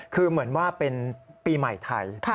คือเหมือนว่าเป็นปีใหม่ไทย